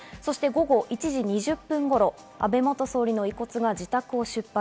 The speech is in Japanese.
午後１時２０分頃、安倍元総理の遺骨が自宅を出発。